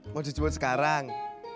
mau dicoba sekarang